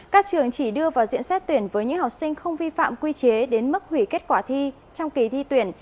các trường chỉ đưa vào diện xét tuyển với những học sinh không vi phạm quy chế đến mức hủy kết quả thi trong kỳ thi tuyển